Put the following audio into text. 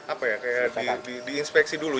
apa ya kayak diinspeksi dulu